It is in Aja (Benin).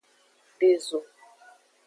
De zo.